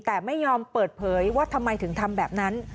แต่ไม่ยอมเปิดเผยว่าทำไมถึงทำแบบนั้น